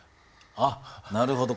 あっなるほど。